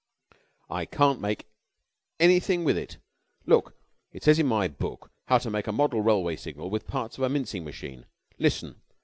"I can't make anything with it. Look! It says in my book 'How to make a model railway signal with parts of a mincing machine.' Listen!